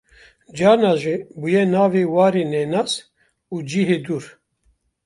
carna jî bûye navê warê nenas û cihê dûr